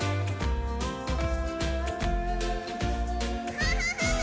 アハハハ！